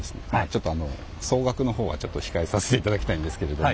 ちょっとあの総額のほうはちょっと控えさせていただきたいんですけれども。